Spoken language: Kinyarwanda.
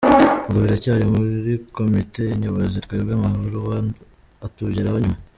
Ubwo biracyari muri komite nyobozi, twebwe amabaruwa atugeraho nyuma”.